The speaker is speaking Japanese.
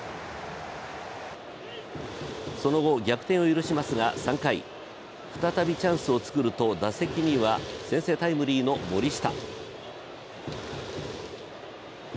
その後、逆転を許しますが３回、再びチャンスをつくると打席には先制タイムリーの森下。